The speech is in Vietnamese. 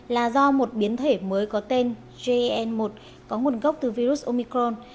là do một biến thể mới có tên jn một có nguồn gốc từ virus omicron